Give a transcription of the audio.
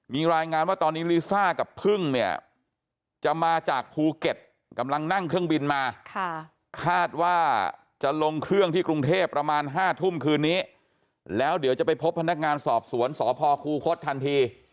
มีรายงานว่าตอนนี้ลิซ่ากับพึ่งเนี่ยจะมาจากภูเก็ตกำลังนั่งเครื่องบินมาคาดว่าจะลงเครื่องที่กรุงเทพประมาณ๕ทุ่มคืนนี้แล้วเดี๋ยวจะไปพบพนักงานสอบสวนสพคูคศทันที